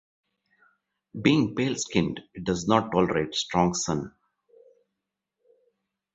Being pale-skinned, it does not tolerate strong sun.